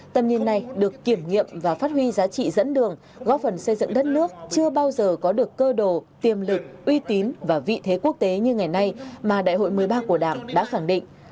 tầm nhìn này được kiểm nghiệm và phát huy giá trị dẫn đường góp phần xây dựng đất nước chưa bao giờ có được cơ đồ tiềm lực uy tín và vị thế quốc tế như ngày nay mà đại hội một mươi ba của đảng đã khẳng định